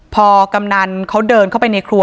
พอกำนันเขาเดินเข้าไปในครัว